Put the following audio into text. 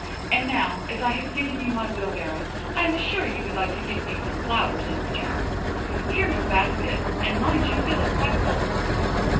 And now, as I have given you my wheelbarrow, I am sure you would like to give me some flowers in return. Here is the basket, and mind you fill it quite full.